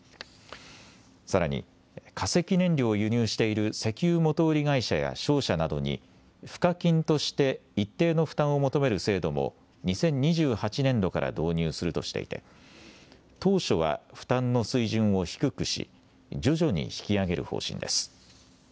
さらに化石燃料を輸入している石油元売り会社や商社などに賦課金として一定の負担を求める制度も２０２８年度から導入するとしていて当初は負担の水準を低くし徐々に引き上げる方針です。